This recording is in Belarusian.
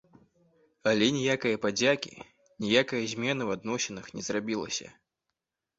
Але ніякае падзякі, ніякае змены ў адносінах не зрабілася.